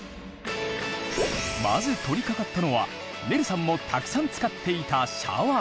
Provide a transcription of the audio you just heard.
まず取りかかったのはねるさんもたくさん使っていたシャワー。